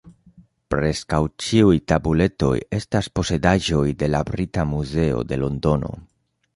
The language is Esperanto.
Preskaŭ ĉiuj tabuletoj estas posedaĵoj de la Brita Muzeo de Londono.